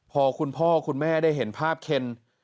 พอคุณพ่อคุณแม่ได้เห็นภาพเคน